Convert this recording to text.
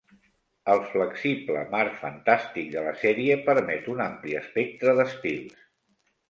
El flexible marc fantàstic de la sèrie permet un ampli espectre d'estils.